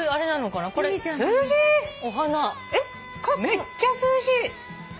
めっちゃ涼しい。